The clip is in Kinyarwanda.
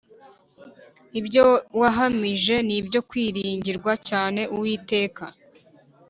Ibyo wahamije ni ibyo kwiringirwa cyane Uwiteka